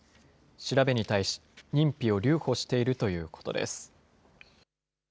調べに対し、認否を留保しているということです。